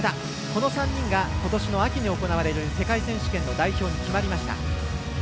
この３人がことしの秋に行われる世界選手権の代表に決まりました。